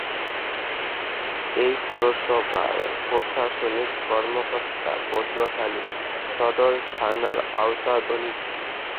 এ পৌরসভার প্রশাসনিক কার্যক্রম পটুয়াখালী সদর থানার আওতাধীন।